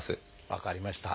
分かりました。